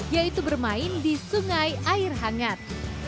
yaitu bermain di sungai air hangat